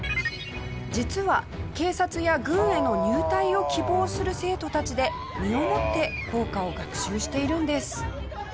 実は警察や軍への入隊を希望する生徒たちで身をもって効果を学習しているんです。